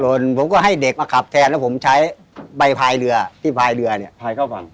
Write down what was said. ผมก็ให้เด็กมาขับแทนแล้วผมใช้ใบพายเรือที่พายเรือเนี่ยพายเข้าฝั่ง